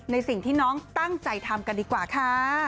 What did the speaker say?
สิ่งที่น้องตั้งใจทำกันดีกว่าค่ะ